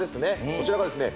こちらがですね